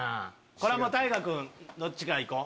これは太賀君どっちか行こう